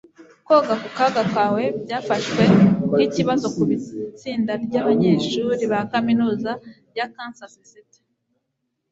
Koga ku kaga kawe byafashwe nkikibazo kubitsinda ryabanyeshuri ba kaminuza ya Kansas City.